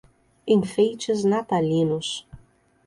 Enfeites natalinos